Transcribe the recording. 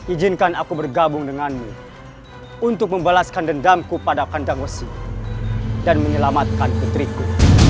ijinkan aku bergabung denganmu untuk membalaskan dendamku pada kandang osi dan menyelamatkan putriku